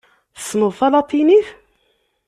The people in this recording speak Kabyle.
Tessneḍ talatinit?